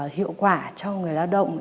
hiệu quả cho người lao động